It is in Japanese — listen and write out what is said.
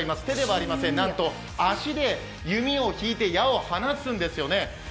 手ではありません、なんと足で弓を引いて矢を放つんですよね。